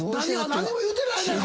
何にも言うてないねん！